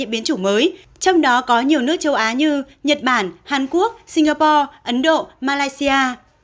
biến chủng mới trong đó có nhiều nước châu á như nhật bản hàn quốc singapore ấn độ malaysia